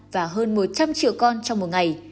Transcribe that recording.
và hơn một trăm linh triệu con trong một ngày